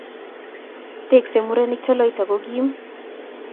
Tesksei murenik, toloita ko kim